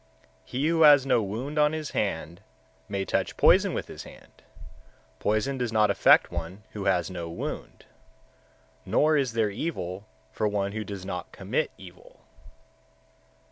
124. He who has no wound on his hand, may touch poison with his hand; poison does not affect one who has no wound; nor is there evil for one who does not commit evil.